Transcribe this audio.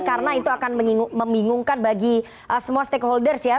karena itu akan membingungkan bagi semua stakeholders ya